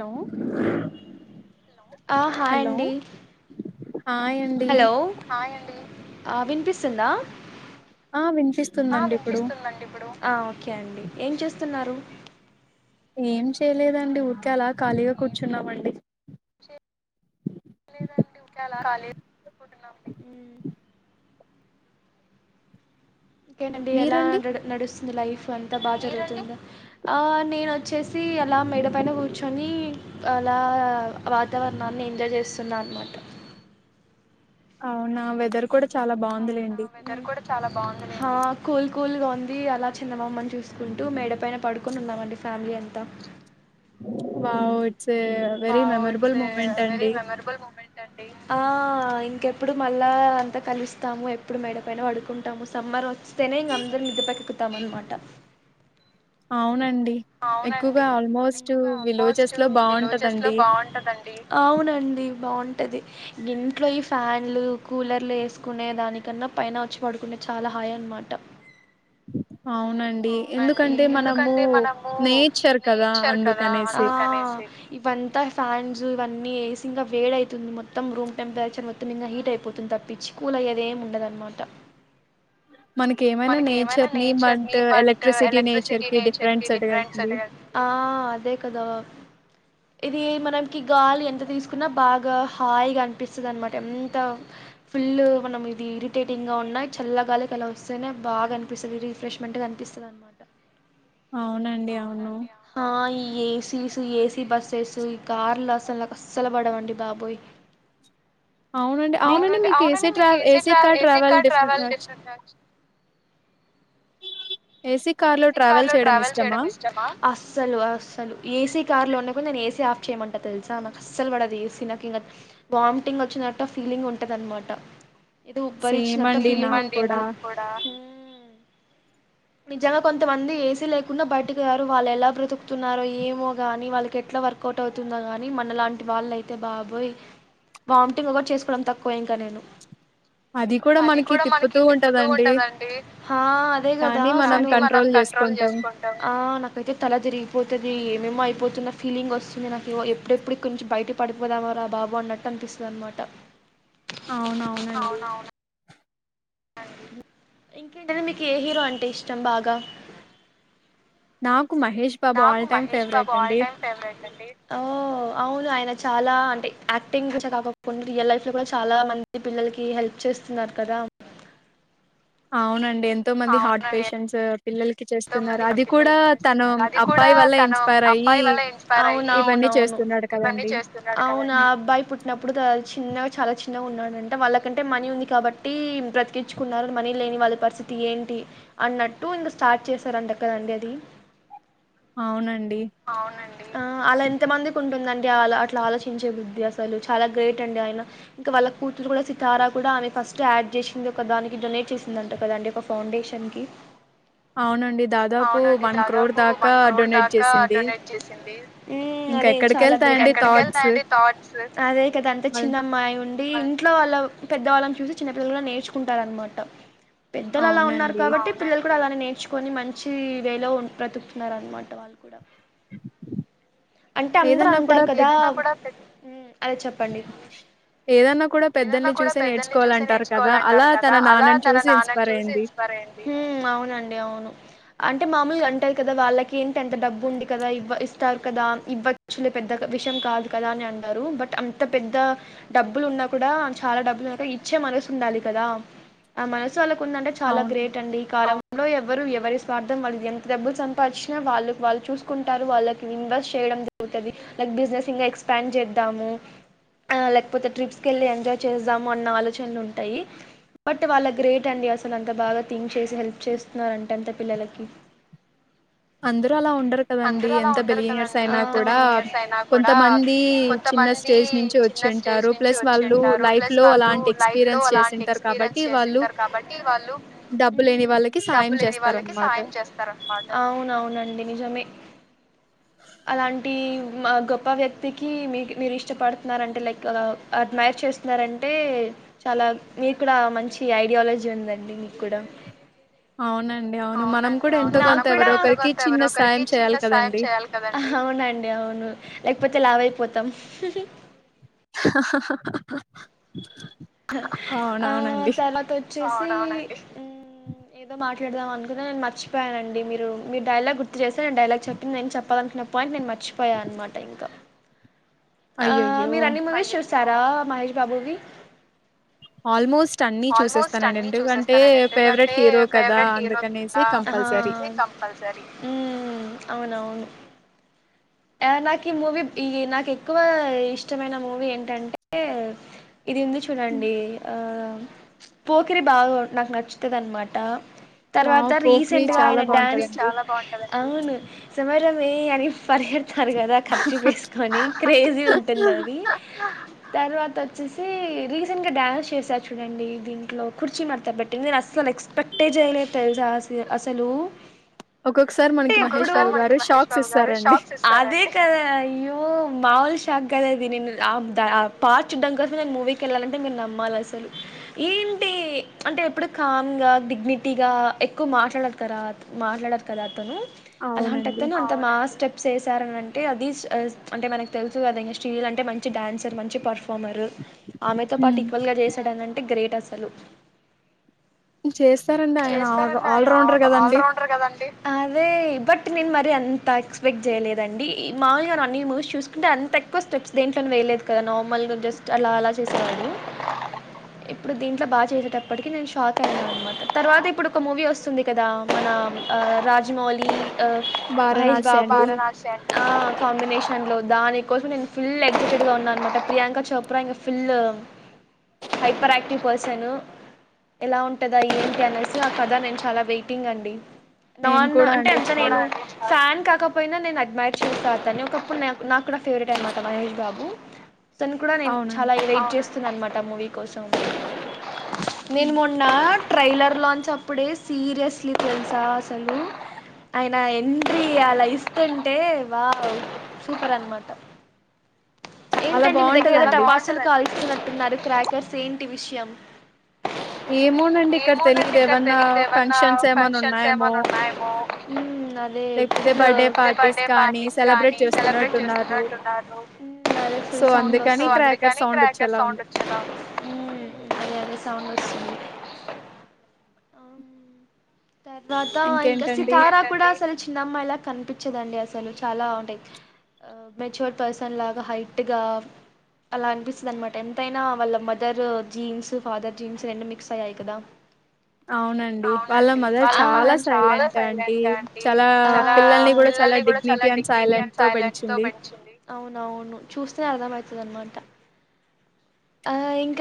Hello ఆ hi hello అండి hi అండి హలో ఆ విన్పిస్తుందా ఆ విన్పిస్తుందండి ఇప్పుడు వినిపిస్తుందండి ఇప్పుడు ఆ ఓకే అండి ఏం చేస్తున్నారు ఏం చేయలేదండి ఊరికే అలా ఖాళీగా కూర్చున్నామండి కాల డు ఓకేనండి ఎలా మీరండి న నడుస్తుంది లైఫ్ అంతా బాగా జరుగుతుంది, ఆ నేనొచ్చేసి అలా మెడ పైన కూర్చొని అలా వాతావరణాన్ని ఎంజాయ్ చేస్తున్నా అన్నమాట అవునా వెదర్ కూడా చాలా బాగుంది అవునా వెదర్ కూడా చాలా బాగుంది లేండి కూల్ కూల్గా ఉంది, అలా చందమామ్మని చూసుకుంటూ మేడ పైన పడుకొని ఉన్నామండి ఫ్యామిలీ అంతా wow it's a very wow it's memorable a moment very అండి మెమరబుల్ మూమెంట్ అండి ఆ ఇంకెప్పుడు మళ్ళా అంతా కలుస్తాము ఎప్పుడు మేడ పైన పడుకుంటాము సమ్మర్ వ స్తేనే అందరూ మిద్దెపైకెక్కుతాం అన్నమాట అవునం అవునండి విలేజెస్ లో బాగుంటదండి బాగుంటది ఇంట్లో ఈ ఫ్యాన్లు కూలర్లు వేసుకునే దానికన్నా, పైన వచ్చి పడుకుంటే చాలా హాయ్ అనమాట అవునండి అవునండి ఎందుకంటే మనము ఎందుకంటే మనము నేచర్ కదా నేచర్ కదా అందుకనేసి అందుకనేసి ఇవంతా ఫ్యాన్స్ ఇవ న్ని ఏసి ఇంకా వేడైతుంది మొత్తం రూమ్ టెంపరేచర్ మొత్తం హీట్ అయిపోతుంది తప్పిచి కూల్అయ్యేది ఏమి ఉండదున్నమాట మనకి ఏమైనా నేచర్ ని బట్ ఎలక్ట్రిసిటీ నేచర్ కి డిఫరెన్స్ ఎట్ట కదండి ఆ అదే కదా ఇది మనకి గాలి ఎంత తీసుకున్నా బాగా హాయిగా అనిపిస్తుంది అనమాట, ఎంత ఫుల్ మనం ఇది ఇరిటేటింగ్ గా ఉన్నా చల్లగాలి కల వస్తేనే బాగా అనిపిస్తుంది రిఫ్రెష్మెంట్గా అనిపిస్తుంది అన్నమాట అవునండి అవును ఈ ఏసీస్ ఏసీ బస్సెస్ ఈ కార్లు అసలు అసలు పడవండి బాబోయ్ అవునండి అవునండి మీకు ఏసి అవునండి ట్రా మీకు ఏసీ ట్రా AC car AC travel car different కా ఏసీ కార్‌లో ట్రావెల్ చేయడం ఇష్టమా? అసలు అస్సలు ఏసీ కార్లోనే నేను ఏసీ ఆఫ్ చేయమంట తెలుసా, నాకు అస్సలు పడదు ఏసి నాకు ఇంకావామిటింగ్ వచ్చినట్టు ఫీలింగ్ ఉంటది అనమాట ఏదో సేమ్ ఉబ్బరిచ్చినట అండి ఫీలింగ్ నాకు ఉంటది కూడా. నిజంగా కొంతమంది ఏసీ లేకుండా బయటకీరారు, వాళ్ళు ఎలా బ్రతుకుతున్నారో ఏమో కాని, వాళ్ళకి ఎట్లా వర్కౌట్ అవుతుందో కాని, మనలాంటి వాళ్ళయితే బాబోయ్ వామిటింగ్ ఒకటి చేసుకోవడం తక్కువ ఇంకా నేను అది కూడా అ మనకి తిప్పుతూ ఉంటదండి. అదే కద ఆ అసలు కానీ మనం కంట్రోల్ చేసుకుంటాం ఆ నాకైతే తల తిరిగిపోతాది ఏ ఏమో అయిపోతున్న ఫీలింగ్ వస్తుంది నాకు ఎప్పుడెప్పుడు ఇక్కడ్నుంచి బయటికిపడిపోదామారా బాబు అన్నట్టు అనిపిస్తది అన్నమాట అవునవునండి ఇంకేంటిది మీకు ఏ హీరో అంటే ఇష్టం బాగా నా నాకు Mahesh Babu all time favourite అండి ఓ అవును ఆయన చాలా అంటే యాక్టింగ్ కాకండా రియల్ లైఫ్ లో కూడా చాలా మంది పిల్లలకి హెల్ప్ చేస్తున్నారు కదా అవునం డి ఎంతో మంది హార్ట్ అవునండి పేషెంట్స్ పిల్లలకి చేస్తున్నారు. అది కూడా తను అది కూడా అబ్బాయి వల్ల తను ఇన్‌స్పైర్ అయ్యి అబ్బాయి వల్ల ఇన్స్పైర్ అయ్యి ఇవన్నీ అవునవును చేస్తున్నాడు ఇవన్నీ కదండీ! చేస్తున్నాడు కదా అవును హ్మ్. అబ్బాయి పుట్టినప్పుడు చిన్న చాలా చిన్నగా ఉన్నాడంటా వాళ్ళకంటే మనీ ఉంది కాబట్టి బ్రతికించుకున్నారు మనీ లేని వాళ్ళ పరిస్థితి ఏంటి అన్నట్టు ఇం స్టార్ట్ చేశారంట ఎక్కడండి అది అవునండి. అవునండి ఆ అలా ఎంత మందికి ఉంటుందండి డియా వాళ్ళు అట్లా ఆలోచించే బుద్ధి అసలు చాలా గ్రేట్ అండి ఆయన ఇంకా వాళ్ళ కూతురు కూడా సితారా కూడా ఆమె ఫస్ట్ యాడ్ చేసింది ఒక దానికి డొనేట్ చేసింది అంట కదండి ఒక ఫౌండేషన్ కి అవునండి. హు దాదాపు దాకా డొనేట్ చేసింది. ఇంకా అది చాలా ఎక్కడికెళ్తాయండి థాట్స్ గ్రేట్ అదే కద అంత మళ్ చిన్నయి అయి ఉం డి ఇంట్లో వాళ్ళ పెద్దవాళ్ళని చూసి చిన్నపిిల్లలు కూడా నేర్చుకుంటారన్నమాట పెద్దలు అలా ఉన్నారు అవునండి కాబట్టి పిల్లలు కూడా అలానే నేర్ చ్చుకొని మంచి వేలో బ్రతుకుతున్నారు అన్నమాట వాళ్ళు కూడా అంటే ఏదన్నా కూడా అందరంటారు కదా పెద్ ఉమ్, అదే చెప్పండి ఏదన్నా కూడా ఏదన్నా పెద్దల్ని కూడా చూసే పెద్దల్ని చూసే నేర్చుకోవాలంటారు కదా అలా నేర్చుకోవాలంటారు కదా తన అలా నాన్నని తన చూసి నాన్నని ఇన్స్పైర్ చూసి అయింది. ఇన్స్పర్ అయింది హు అవునన్ అవును అంటే మామూలుగా అంటారు కదా వాళ్ళకి ఏంటి అంత డబ్బు ఉంది కదా ఇవ్వ ఇస్తారు కదా ఇవ్వచ్చులే పెద్ద విషయం కాదు కదా అని అన్నారు బట్ అంత పెద్ద డబ్బులు ఉన్నా కూడా చాలా డబ్బులు ఉ ఇచ్చే మనేసి ఉండాలి కదా ఆ మనసు వాళ్ళకు ఉందంటే చాలా అవును గ్రేట్ అండి ఈ కాలం లో ఎవరు ఎవరి స్వార్థం వాళ్ళకి ఎంత డబ్బులు సంపాదించినా వాళ్ళకు వాళ్ళు చూసుకుంటారు వాళ్ళకి ఇన్వెస్ట్ చేయడం జరుగుతుంది లైక్ బిజినెస్ ఇం ఎక్స్పాండ్ చేద్దాము లేకపోతే ట్రిప్స్కి వెళ్ళి ఎంజాయ్ చేస్తాము అన్న ఆలోచనలు ఉంటాయి బట్ వాళ్ళ గ్రేట్ అండి అసలు అంత బాగా థింక్ చేసి హెల్ప్ చేస్తున్నారంట అంత పిల్లలకి అందరూ అలా ఉండరు కదండి అందరూ అలా ఎంత ఉండరు బిలినియర్స్ కదండి అయినా ఎంత కూడా బిలీనియర్స్ అయినా కూడా కొంతమంది చిన్న కొంతమంది స్టేజ్ నుంచి చిన్న స్టేజ్ వచ్చింటారు నుంచి ప్లస్ వాళ్ళు వచ్చింటారు లైఫ్ ప్లస్ లో వాళ్ళు అలాంటి లైఫ్ లో ఎక్స్పీరియన్స్ అలాంటి చేసింటారు కాబట్టి ఎక్స్పీరియన్స్ వాళ్ళు చేసింటారు కాబట్టి వాళ్ళు డబ్బు లేని వాళ్ళకి డబ్బు సాయం లేని వాళ్ళకి చేస్తారనమాట. సాయం చేస్తారన్నమాట అవునవునండి నిజమే అలాంటి మా గొప్ప వ్యక్తికి మీ మీరు ఇష్టపడుతున్నారంటే లైక్ అడ్మైర్ చేస్తున్నారంటే చాలా మీకు కూడా మంచి ఐడియాలజీ ఉందండి మీకు కూడా అవునండి అవును మనం అవునండి కూడా ఎంతో అవును మనం కొంత కూడా ఎవరో ఎంతో ఒకరికి కొంత ఎవరు చిన్న ఒకరరో సాయం ఒకరికి చేయాలి చిన్న సాయం కదండి. చేయాలి కదండి అవునండి అవును లేకపోతే లావైపో పోత్తం ఆ అవునవునండి. తర్వాత వచ్చేసి హు ఏదో మాట పెడదాం అకున్నా నేను మర్చపోయానునండి మీరు మీ డైలాగ్ గుర్తు చేస్తే డైలాగ్ చెప్పి నిను చెప్పాలినుకున్న పాయింట్ నేన్ మర్ చ్చిపోయా అనమాట ఇంకా ఆ అయ్యయ్యో! మీరన్ని మూవీస్ చూస్ శారా మహష్ బాబూవి ఆల్మోస్ట్ అన్నీ హా చూసేస్తానండి. ఉమ్మ్ ఎందుకంటే ఫేవరెట్ హీరో కదా! అందుకనేసి కంపల్సరీ. అవునవును ఆ నాకు ఈ మూవీ ఈ నాకెక్కువ ఇష్టమైన మూవీ ఏంటంటే ఇది ఉంది హ్మ్. చూడండి ఆ పోకిరి బాగా నాకు నచ్చుతది అనమాట తర్వాత వావ్! 'పోకిరి' రీసెంట్ గా ఆయన చాలా డాన్స్ బావుంటదండి. చాలా బావుంటది అవును సమర వే అని పరిగెడతారు కదా కర్చీఫ్ వేసుకొని క్రేజీ ఉంటుంది అది తర్వాత వచ్చేసి రీసెంట్ గా డాన్స్ చేశా చూ నండి దీంట్లో కుర్చీ మరత పెట్టింది నేనుస్సలు ఎక్స్పెక్ట్ ఏ జెయ్యలేదు తెలుసా అసలు ఒక్కొక్కసారి మనకి మహేష్ బాబు గారు షాక్స్ ఇస్తారండి. అదే కదా అయ్యో మామూలు తగ్గదు అది నేను ఆ ఆ పార్చ్ దాని కోసమే మూవీకి వెళ్ళాలింటే నేను నమ్మాల అసలు ఏంటి అంటే ఎప్పుడు కామ్ గా డిగ్నిటీగా ఎక్కువ మాట్లాడడు కారా మాట్లాడారు కదా అతను అవునండి. అలంటతను అంత మాస్ స్టెప్ ప్స్ ఏశారంటే అది అంటే మనకి తెలుసు కదా [unintelligible] అంటే మంచి డాన్సర్ మంచి పర్ఫ ఫమరు ఆమెతో పాటు హ్మ్. ఈక్వల్ గా చేస్ అనంటే గ్రేట్ అసలు చేస్తారండి ఆయన ఆల్ చేస్తారండి ఆయన రౌండర్ ఆల్ గదండీ! ఆల్రౌండర్ కదండి అదే బట్ నేను మరి అంత ఎక్స్పెక్ట్ చేయలేదండి మామూలు గా అన్ని మూవీస్ చూసుకుంటే అంత ఎక్కువ స్టెప్స్ దేంట్లోను వేయలేదు కదా నార్మల్గా జస్ట్ అలా అలా చేసేవాడు ఇప్పుడు దీంట్లో బాగా చేసేటప్పటికి నేను షాక్ అయ్యా అనమాట తర్వాత ఇప్పుడు ఒక మూవీ వస్తుంది కదా మన ఆ రాజమౌళి ఆ మహేష్ 'వారణాసి' బాబ్ అండి. వారణాసి అన్ ఆ కాంబినేషన్ లో దానికోసం నేను ఫుల్ ఎగ్జైటెడ్ గా ఉన్నా అనమాట ప్రియాంక చోప్రా ఇంక ఫుల్ హైపర్ యాక్టివ్ పర్సన్ ఎలా ఉంటంది అయి కే నసు ఆ కథ నేను చాలా వెయిటింగ్ అండి నేను నాన్ కూడా అంటే అండి ఎంత చాలా నేను ఫ్యాన్ కా కపోయినా నేను అడ్మైర్ చేస్తా అతన్ని ఒకప్పుడు నాకు నాకు కూడా ఫేవరెటె అనమాట మహేష్ బాబు తను కూడా నేను అవునండి. చాలా రైట్ చేస్తున్నా అనమాట త మూవీ కోసం నేను హ్మ్. మొన్నా లాంచ్ అప్పుడే సీరియస్లీ తెలుసా అసలు ఆయన ఎంట్రీ అలా ఇస్తుంటే వావ్ సూపర్ అనమాట చాలా ఏంటండి మీ దగ్గర ఏదో బావుంటదండి. టపాసాలు కాలుస్తున్నట్టున్నారు క్రాకర్స్ సెంటి విషయం ఏమోనండి ఇక్కడ ఏమోనండి తెలిదు ఇక్కడ ఏమన్నా తెలీదు ఏమన్నా ఫంక్షన్స్ ఏమైన్నా ఉన్నాయేమో మ్ సరే లేకపోతే [unintelligible] లో birthday next year parties birthday కానీ పార్టీస్ కానీ సెలబ్రేట్ సెలబ్రేట్ చేస్తున్నట్టున్నారు. సో చేస్తున్నట్టున్నారు అందుకని సో క్రాకర్ అందుకని సౌండ్ క్రాకర్ వచ్చేలా సౌండ్ ఉంది వచ్చేలా ఉంది అవును తర్వాత ఇంకా ఇంకేంటండి సితారా కూడా అసలు చి చిన్న అమ్మాయిల కనిపించదండి అసలు చాలా ఉంటాయ్ మెచూర్ పర్స్ ని లాగా హైట్గా అలా అనిపిస్తుంది అనమాట ఎంతైనా వాళ్ళ మదర్ జీన్స్ ఫాదర్ జీన్స్ రెండు మిక్స్ అయ్యాయి కదా అవునండి వాళ్ళ అవునండి మదర్ వాళ్ళ ఆ! చాలా మదర్ చాలా సైలెంట్ అండి సైలెంట్ అండి చాలా ఆ! పిల్లల్ని కూడా చాలా డిగ్నిటీ అండ్ సైలెంట్ తో పెంచింది. అవును అవును చూస్తే అర్థం అవుతాది అనమాట ఆ ఇంకా